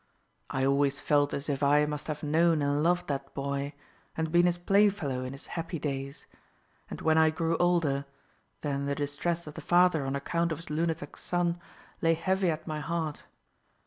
I always felt as if I must have known and loved that boy, and been his play fellow in his happy days; and when I grew older, then the distress of the father on account of his lunatic son lay heavy at my heart.